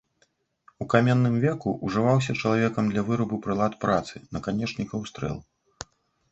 У каменным веку ўжываўся чалавекам для вырабу прылад працы, наканечнікаў стрэл.